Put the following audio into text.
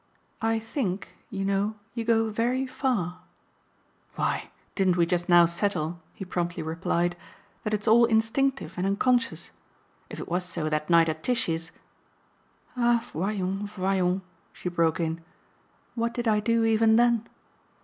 "I think, you know, you go very far." "Why, didn't we just now settle," he promptly replied, "that it's all instinctive and unconscious? If it was so that night at Tishy's !" "Ah, voyons, voyons," she broke in, "what did I do even then?"